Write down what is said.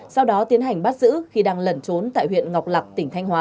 sau đó tiến hành bắt giữ khi đang lẩn trốn tại huyện ngọc lạc tỉnh thanh hóa